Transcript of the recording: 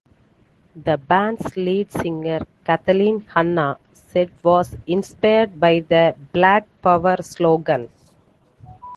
The band's lead singer, Kathleen Hanna, said was inspired by the Black Power slogan.